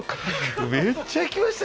めっちゃ行きました。